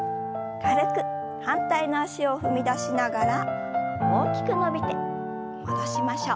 反対の脚を踏み出しながら大きく伸びて戻しましょう。